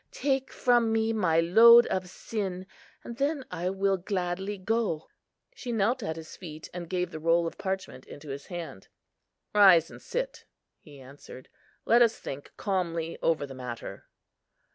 Take from me my load of sin, and then I will gladly go." She knelt at his feet, and gave the roll of parchment into his hand. "Rise and sit," he answered. "Let us think calmly over the matter."